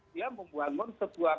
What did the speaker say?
dia membangun sebuah